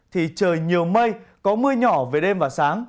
thì trời nhiều mây có mưa nhỏ về đêm và sáng